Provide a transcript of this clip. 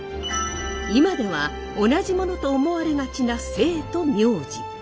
今では同じものと思われがちな姓と名字。